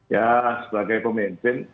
ya sebagai pemimpin